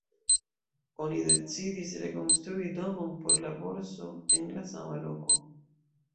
Oni decidis rekonstrui domon por la borso en la sama loko.